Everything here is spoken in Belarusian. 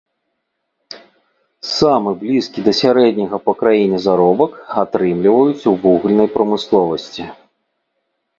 Самы блізкі да сярэдняга па краіне заробак атрымліваюць у вугальнай прамысловасці.